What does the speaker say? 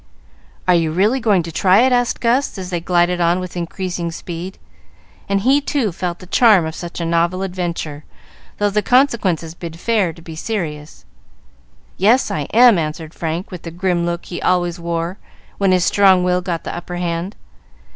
"Are you really going to try it?" asked Gus, as they glided on with increasing speed, and he, too, felt the charm of such a novel adventure, though the consequences bid fair to be serious. "Yes, I am," answered Frank, with the grim look he always wore when his strong will got the upper hand.